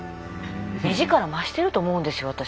目力増してると思うんですよ私。